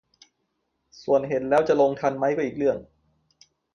ส่วนเห็นแล้วจะลงทันไหมก็อีกเรื่อง